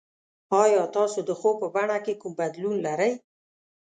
ایا تاسو د خوب په بڼه کې کوم بدلون لرئ؟